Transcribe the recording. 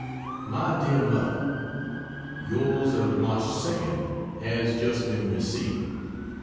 MY DEAR MOTHER, Yours of March 2nd has just been received.